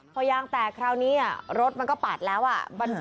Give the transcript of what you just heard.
พอยางแตกคราวนี้รถมันก็ปัดแล้ว